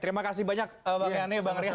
terima kasih banyak bang yanni bang rian